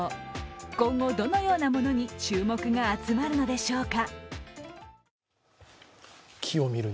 今後どのようなものに注目が集まるのでしょうか。